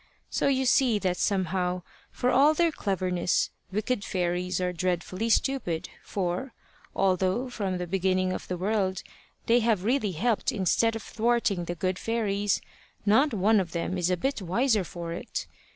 So you see that somehow, for all their cleverness, wicked fairies are dreadfully stupid, for, although from the beginning of the world they have really helped instead of thwarting the good fairies, not one of them is a bit wiser for it.